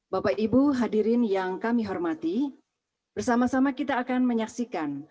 bapak ibu hadirin yang kami hormati bersama sama kita akan menyaksikan